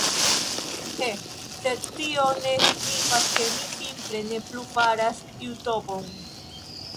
Eh, sed tio ne signifas ke mi simple ne plu faras Jutobon